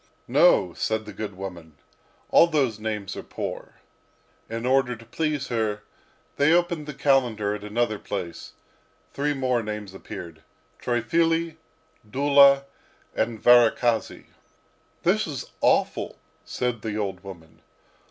"No," said the good woman, "all those names are poor." In order to please her, they opened the calendar at another place; three more names appeared, Triphily, Dula, and Varakhasy. "This is awful," said the old woman.